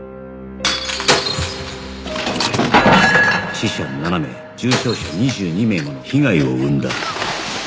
死者７名重症者２２名もの被害を生んだ